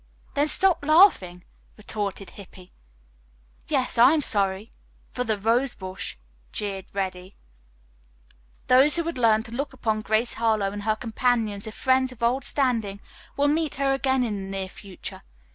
"Then stop laughing," retorted Hippy. "Yes, I'm sorry for the rosebush," jeered Reddy. Those who have learned to look upon Grace Harlowe and her companions as friends of old standing will meet her again in the near future.